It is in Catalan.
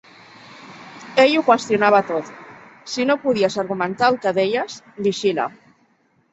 Ell ho qüestionava tot. Si no podies argumentar el que deies, vigila.